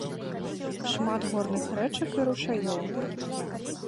Шмат горных рэчак і ручаёў.